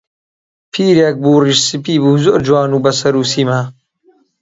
پیرێک بوو ڕیش سپی، زۆر جوان و بە سەر و سیما